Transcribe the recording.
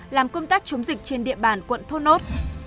làm công tác chống dịch trên địa bàn quận thốt nốt